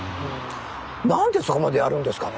なんでそこまでやるんですかね？